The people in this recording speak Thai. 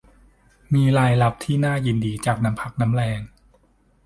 มีรายรับที่น่ายินดีจากน้ำพักน้ำแรง